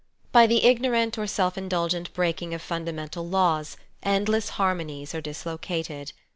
By the ignorant or self indulgent breaking of fundamental laws endless harmonies are dislocated.